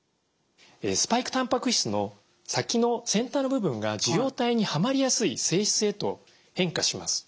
スパイクたんぱく質の先の先端の部分が受容体にはまりやすい性質へと変化します。